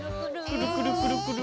くるくるくるくる！